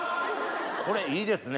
これいいですね